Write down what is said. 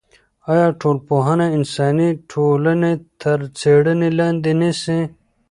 آیا ټولنپوهنه انساني ټولنې تر څېړنې لاندې نیسي؟